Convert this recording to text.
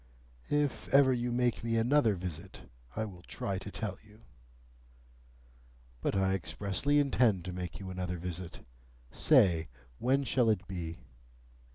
If ever you make me another visit, I will try to tell you." "But I expressly intend to make you another visit. Say, when shall it be?"